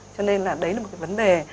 cho nên là đấy là một cái vấn đề